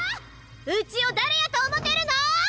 うちを誰やと思てるの？